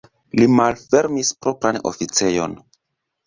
Li malfermis propran oficejon.